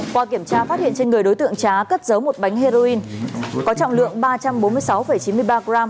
qua kiểm tra phát hiện trên người đối tượng trá cất giấu một bánh heroin có trọng lượng ba trăm bốn mươi sáu chín mươi ba gram